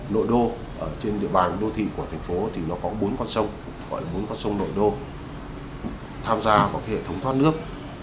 nội đô trên địa bàn đô thị của thành phố thì nó có bốn con sông gọi là bốn con sông nội đô tham gia vào hệ thống thoát nước